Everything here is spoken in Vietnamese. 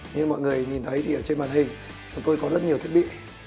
như mọi người nhìn thấy thì ở trên màn hình chúng tôi có rất nhiều thiết bị